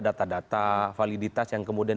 data data validitas yang kemudian